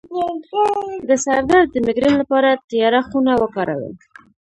د سر درد د میګرین لپاره تیاره خونه وکاروئ